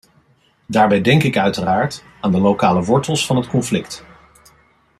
Daarbij denk ik uiteraard aan de lokale wortels van het conflict.